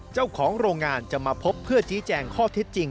เจ้าของโรงงานจะมาพบเพื่อชี้แจงข้อเท็จจริง